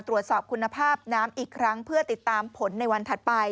ตรวจสอบคุณภาพน้ำอีกครั้งเพื่อติดตามผลในวันถัดไป